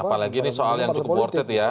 apalagi ini soal yang cukup worth it ya